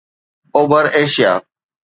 اوڀر ايشيا